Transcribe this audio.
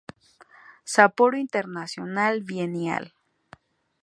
Sapporo International Biennial"".